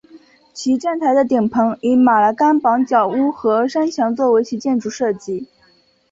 其站台的顶棚以马来甘榜高脚屋和山墙作为其建筑设计。